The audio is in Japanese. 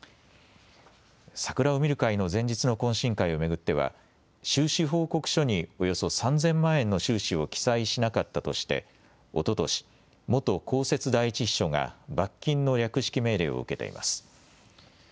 桜を見る会の前日の懇親会を巡っては収支報告書におよそ３０００万円の収支を記載しなかったとしておととし元公設第１秘書が罰金の略式命令を受けています。